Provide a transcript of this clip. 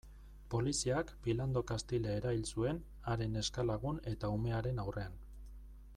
Poliziak Philando Castile erail zuen, haren neska-lagun eta umearen aurrean.